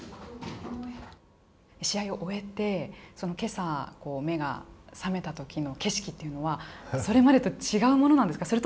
試合を終えてけさ目が覚めたときの景色というのはそれまでと違うものなんですか。